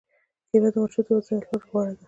کېله د ماشوم د وزن زیاتولو لپاره غوره ده.